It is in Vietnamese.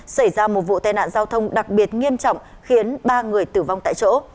xảy ra một vụ tai nạn giao thông đặc biệt nghiêm trọng khiến ba người tử vong tại chỗ